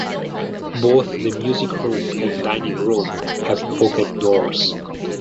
Both the music room and dining room have pocket doors.